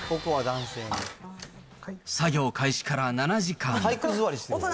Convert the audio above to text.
作業開始から７時間。